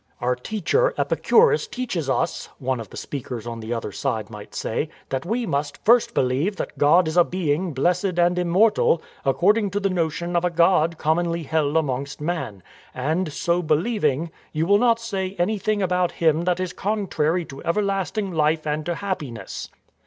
" Our teacher, Epicurus, teaches us," one of the speakers on the other side might say, " that we must ' First believe that God is a Being blessed and im mortal, according to the notion of a god commonly held amongst man ; and, so believing, you will not say anything about Him that is contrary to everlasting life and to happiness.